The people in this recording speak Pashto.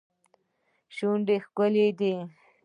شونډه ښکلې دي.